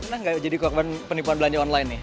pernah nggak jadi korban penipuan belanja online nih